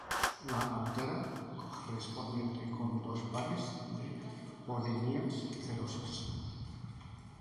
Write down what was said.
La antera correspondiente con dos pares de polinias cerosas.